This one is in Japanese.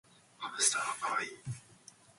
ハムスターはかわいい